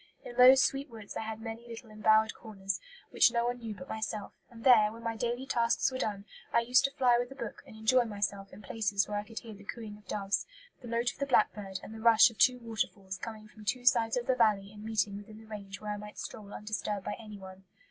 In those sweet woods I had many little embowered corners, which no one knew but myself; and there, when my daily tasks were done, I used to fly with a book and enjoy myself in places where I could hear the cooing of doves, the note of the blackbird, and the rush of two waterfalls coming from two sides of the valley and meeting within the range where I might stroll undisturbed by anyone.